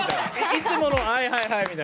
「いつものはいはいはい」みたいな。